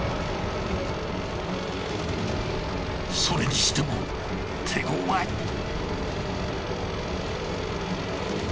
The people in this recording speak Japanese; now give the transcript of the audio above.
それにしても手ごわい。